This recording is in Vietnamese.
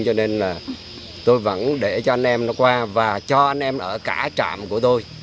cho nên là tôi vẫn để cho anh em nó qua và cho anh em ở cả trạm của tôi